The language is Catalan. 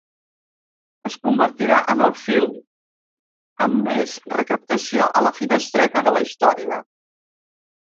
Es convertirà en el film amb més recaptació a finestreta de la història.